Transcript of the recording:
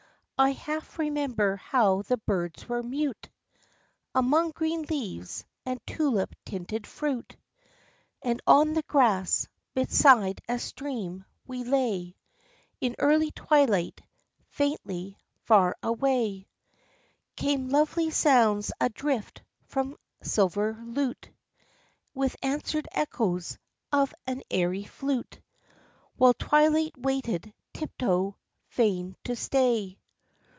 I half remember how the birds were mute Among green leaves and tulip tinted fruit, And on the grass, beside a stream, we lay In early twilight; faintly, far away, Came lovely sounds adrift from silver lute, With answered echoes of an airy flute, While Twilight waited tiptoe, fain to stay.